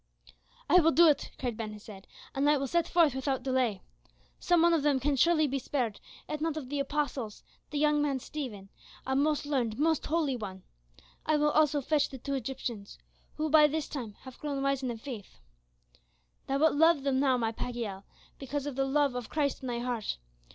"I will do it," cried Ben Hesed, "and I will set forth without delay. Some one of them can surely be spared, if not of the apostles, the young man Stephen, a most learned, most holy one. I will also fetch the two Egyptians, who will by this time have grown wise in the faith. Thou wilt love them now, my Pagiel, because of the love of Christ in thy heart.